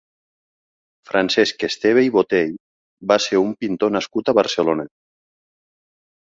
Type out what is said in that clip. Francesc Esteve i Botey va ser un pintor nascut a Barcelona.